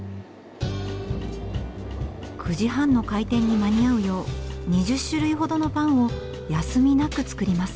９時半の開店に間に合うよう２０種類ほどのパンを休みなく作ります。